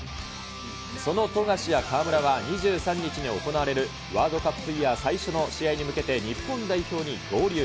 その富樫や河村は、２３日に行われるワールドカップイヤー最初の試合に向けて日本代表に合流。